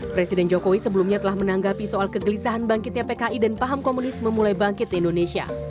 presiden jokowi sebelumnya telah menanggapi soal kegelisahan bangkitnya pki dan paham komunis memulai bangkit di indonesia